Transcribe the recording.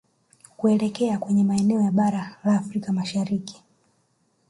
kuelekea kwenye maeneo ya Bara la Afrika Mashariki